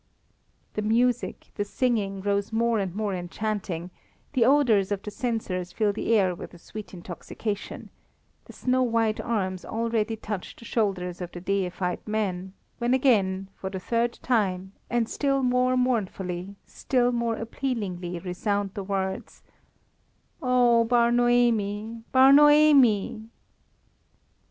The music, the singing, grows more and more enchanting; the odours of the censers fill the air with a sweet intoxication; the snow white arms already touch the shoulders of the deified man, when again, for the third time, and still more mournfully, still more appealingly resound the words "Oh, Bar Noemi! Bar Noemi!"